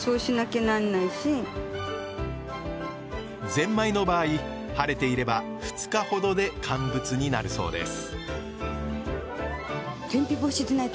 ぜんまいの場合晴れていれば２日ほどで乾物になるそうです